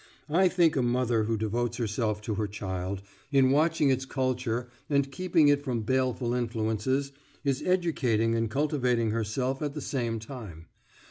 I think a mother who devotes herself to her child, in watching its culture and keeping it from baleful influences, is educating and cultivating herself at the same time.